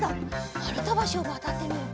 まるたばしをわたってみよう。